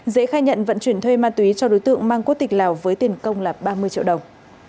dễ khai nhận vận chuyển thuê ma túy cho đối tượng mang quốc tịch lào với tiền công là ba mươi triệu đồng